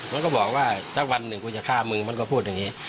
มันก็บอกว่าสักวันหนึ่งกูจะฆ่ามึงมันก็พูดอย่างนี้